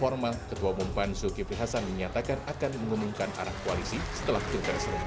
namun romi nggak menambutkan dua partai tersebut